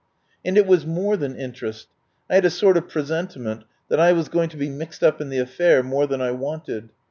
And it was more than interest. I had a sort of presentiment that I was going to be mixed up in the affair more than I wanted.